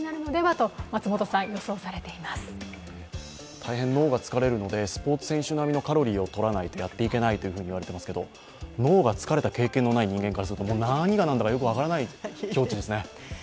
大変、脳が疲れるのでスポーツ選手並みのカロリーをとらないとやっていけないと言われていますけど、脳が疲れた経験のない人間からすると、何が何だか分からない境地ですよね。